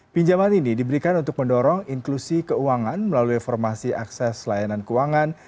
pinjaman ini diberikan untuk mendorong inklusi keuangan melalui formasi akses layanan keuangan